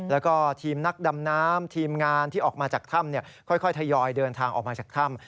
แล้วก็ทีมนักดำน้ำทีมงานที่ออกมาจากถ้ำค่อยทยอยเดินทางออกมาจากถ้ำ